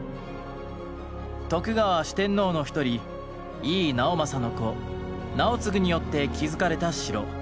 徳川四天王の一人井伊直政の子直継によって築かれた城。